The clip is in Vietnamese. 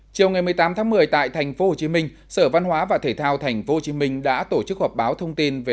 chiều ngày một mươi tám tháng một mươi tại tp hcm sở văn hóa và thể thao tp hcm đã tổ chức họp báo thông tin về